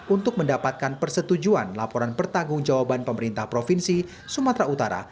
untuk mendapatkan persetujuan laporan pertanggung jawaban pemerintah provinsi sumatera utara